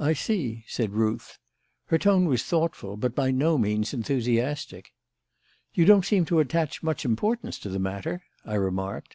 "I see," said Ruth. Her tone was thoughtful but by no means enthusiastic. "You don't seem to attach much importance to the matter," I remarked.